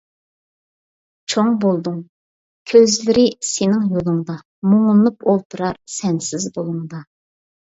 چوڭ بولدۇڭ كۆزلىرى سېنىڭ يولۇڭدا، مۇڭلىنىپ ئولتۇرار سەنسىز بۇلۇڭدا.